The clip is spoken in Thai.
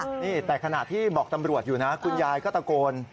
นี่แต่ขณะที่บอกตำรวจอยู่นะคุณยายก็ตะโกน